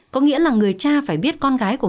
có nghĩa là người cha phải biết con gái của mình